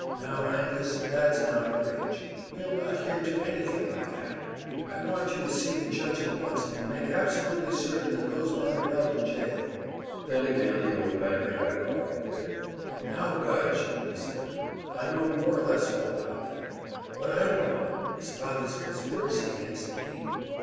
Now Angus, that's an outrage! We'll not hear to anything like that! I want you to see the judge at once, and make absolutely certain that those men are held in jail." Then again the old banker had a coughing fit. "Now, Gudge," he said, "I know more or less about all that. What I want to know is about this conspiracy against me.